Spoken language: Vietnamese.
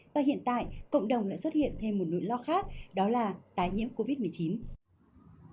và hiện tại cộng đồng lại xuất hiện thêm một nỗi lo khác đó là tái nhiễm covid một mươi chín